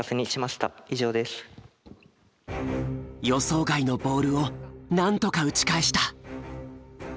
予想外のボールをなんとか打ち返した。